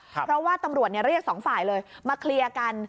เพราะว่าตำรวจเรียกสองฝ่ายเลยมาเคลียร์กัน